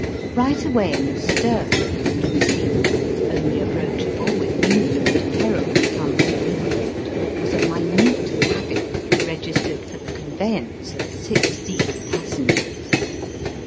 Bight away in the stem of the little Digitized by VjOOQIC 282 EAST BY WEST. steamer, only approachable with infinite peril of tumbling overboard, was a minute cabin registered for the conveyance of sixteen pas sengers.